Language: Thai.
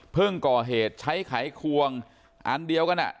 เพิ่งก่อเหตุใช้ไขควงอันเดียวกันน่ะ